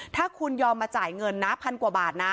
ถ้าคุณยอมมาจ่ายเงินนะพันกว่าบาทนะ